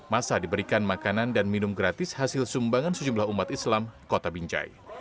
masa diberikan makanan dan minum gratis hasil sumbangan sejumlah umat islam kota binjai